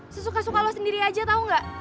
sesuka suka lo sendiri aja tau gak